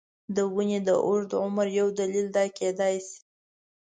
د ونې د اوږد عمر یو دلیل دا کېدای شي.